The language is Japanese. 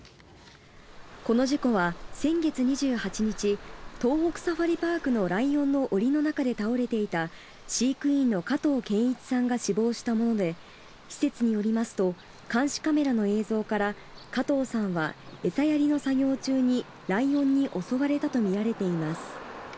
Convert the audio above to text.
この事故は先月２８日東北サファリパークのライオンの檻の中で倒れていた飼育員の加藤健一さんが死亡したもので施設によりますと監視カメラの映像から加藤さんは餌やりの作業中にライオンに襲われたとみられています。